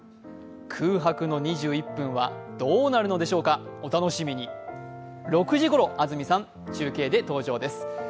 空白の２１分はどうなるのでしょうか、お楽しみに６時ごろ、安住さん、中継で登場です。